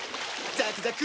ザクザク！